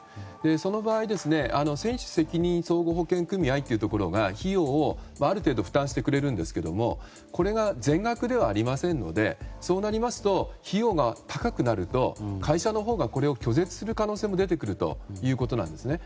その場合船主責任相互保険組合というところが費用をある程度負担してくれるんですがこれが全額ではありませんのでそうなりますと費用が高くなると会社のほうがこれを拒絶する可能性が出てくるということなんですね。